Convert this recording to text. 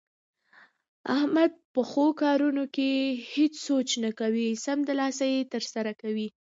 احمد په ښو کارونو کې هېڅ سوچ نه کوي، سمدلاسه یې ترسره کوي.